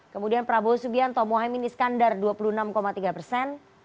kemudian prabowo subianto mohaimin iskandar dua puluh enam tiga persen